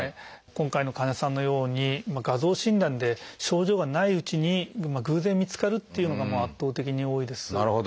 今回の患者さんのように画像診断で症状がないうちに偶然見つかるっていうのがもう圧倒的に多いです。